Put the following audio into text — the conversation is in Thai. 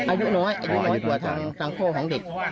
อายุน้อยกว่าทางโครวของเด็ก